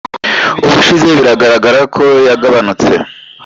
ubushize biragaragara ko yagabanutse.